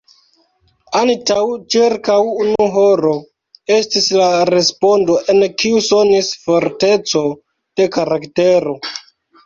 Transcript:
Antaŭ ĉirkaŭ unu horo, estis la respondo, en kiu sonis forteco de karaktero.